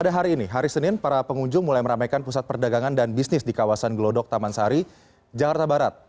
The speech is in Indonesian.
pada hari ini hari senin para pengunjung mulai meramaikan pusat perdagangan dan bisnis di kawasan gelodok taman sari jakarta barat